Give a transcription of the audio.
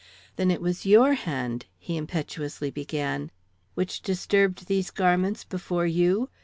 "Then it was your hand " he impetuously began. "Which disturbed these garments before you?